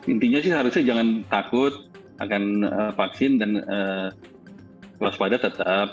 intinya sih harusnya jangan takut akan vaksin dan kelas pada tetap